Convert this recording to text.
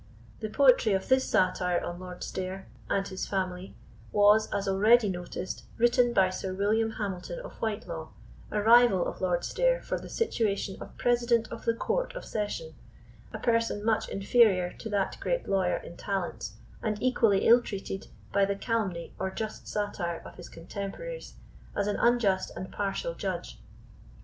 The poetry of this satire on Lord Stair and his family was, as already noticed, written by Sir William Hamilton of Whitelaw, a rival of Lord Stair for the situation of President of the Court of Session; a person much inferior to that great lawyer in talents, and equally ill treated by the calumny or just satire of his contemporaries as an unjust and partial judge.